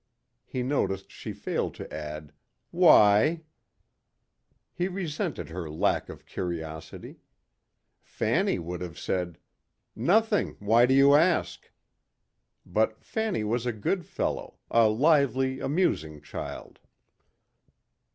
He noticed she failed to add, "Why?" He resented her lack of curiosity. Fanny would have said, "Nothing. Why do you ask?" But Fanny was a good fellow, a lively, amusing child.